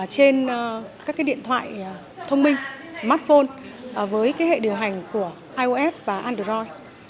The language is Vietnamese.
trên các điện thoại thông minh smartphone với hệ điều hành của ios và android